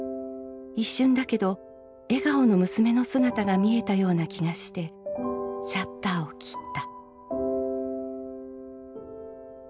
一瞬だけど笑顔の娘の姿が見えたような気がしてシャッターを切った」。